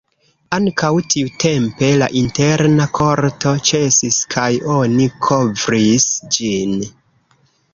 Ankaŭ tiutempe la interna korto ĉesis kaj oni kovris ĝin.